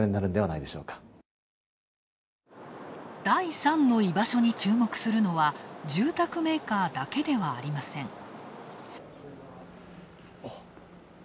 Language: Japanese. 第３の居場所に注目するのは、住宅メーカーだけではありません。